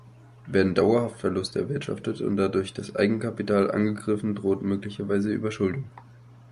Werden dauerhaft Verluste erwirtschaftet und dadurch das Eigenkapital angegriffen, droht möglicherweise Überschuldung.